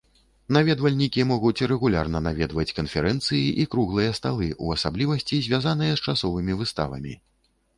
Наведвальнікі могуць рэгулярна наведваць канферэнцыі і круглыя сталы, у асаблівасці звязаныя з часовымі выставамі.